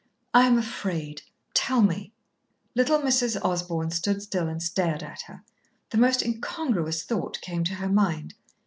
"I am afraid. Tell me." Little Mrs. Osborn stood still and stared at her. The most incongruous thought came to her mind.